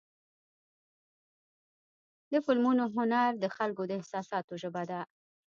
د فلمونو هنر د خلکو د احساساتو ژبه ده.